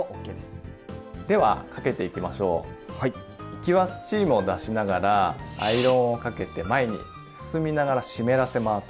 行きはスチームを出しながらアイロンをかけて前に進みながら湿らせます。